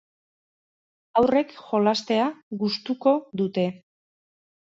Haurrek jolastea gustuko dute.